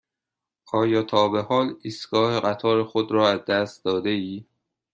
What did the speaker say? آیا تا به حال ایستگاه قطار خود را از دست داده ای؟